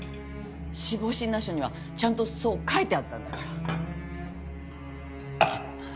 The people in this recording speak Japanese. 死亡診断書にはちゃんとそう書いてあったんだから。